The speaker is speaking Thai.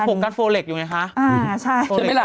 โฟกัสโฟเล็กส์อยู่ไงคะ